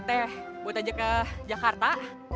jemput aja ke jakarta